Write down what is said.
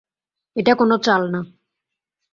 এটা কোনো চাল না।